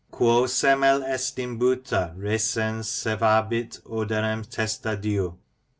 " Quo semel est imbuta recens servabit odorem testa diu.